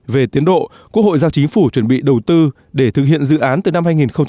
về tiến độ quốc hội giao chính phủ chuẩn bị đầu tư để thực hiện dự án từ năm hai nghìn hai mươi